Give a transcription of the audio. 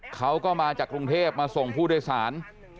เขาก็มาจากกรุงเทพมาส่งผู้โดยสาร